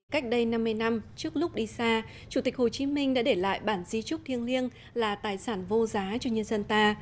cách đây năm mươi năm trước lúc đi xa chủ tịch hồ chí minh đã để lại bản di trúc thiêng liêng là tài sản vô giá cho nhân dân ta